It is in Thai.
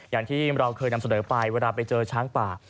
อย่างที่เราเคยนำเสนอไปเวลาไปเจอช้างป่า